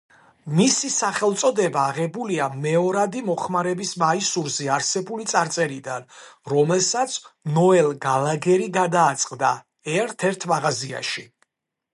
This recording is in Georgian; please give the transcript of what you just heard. მისი სახელწოდება აღებულია მეორადი მოხმარების მაისურზე არსებული წარწერიდან, რომელსაც ნოელ გალაგერი გადააწყდა ერთ-ერთ მაღაზიაში.